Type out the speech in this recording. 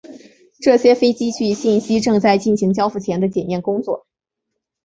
这些飞机据信是正在进行交付前的检验工作。